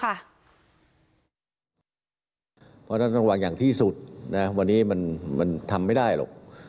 เพราะฉะนั้นต้องระวังอย่างที่สุดนะวันนี้มันทำไม่ได้หรอก